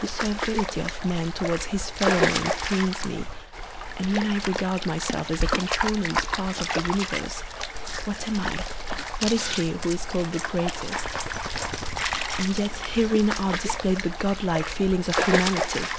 The servility of man towards his fellow man pains me, and when I regard myself as a component part of the universe, what am I, what is he who is called the greatest? and yet herein are displayed the godlike feelings of humanity!